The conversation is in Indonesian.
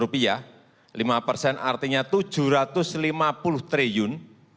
lima persen artinya rp tujuh ratus lima puluh triliun